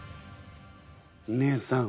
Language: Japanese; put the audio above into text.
姉さん